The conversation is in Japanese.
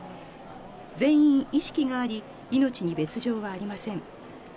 全員意識があり、命に別状はありません。